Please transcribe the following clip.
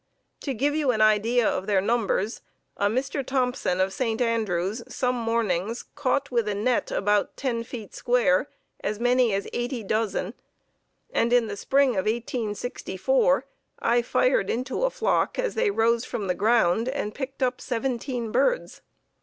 To give you an idea of their numbers, a Mr. Thompson of St. Andrews some mornings caught with a net about ten feet square as many as eighty dozen, and in the spring of 1864 I fired into a flock as they rose from the ground and picked up seventeen birds.